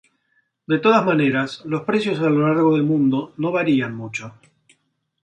De todas maneras, los precios a lo largo del mundo no varían mucho.